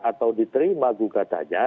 atau diterima gugatannya